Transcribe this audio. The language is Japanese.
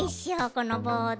このボード。